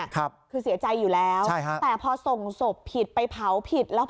คือเสียใจอยู่แล้วแต่พอส่งศพผิดไปเผาผิดใช่ครับ